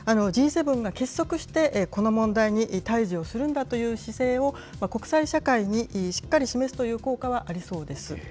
Ｇ７が結束して、この問題に対じをするんだという姿勢を、国際社会にしっかり示すという効果はありそうです。